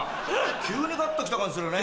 急にガッと来た感じするね。